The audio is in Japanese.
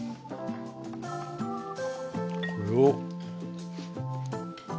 これを。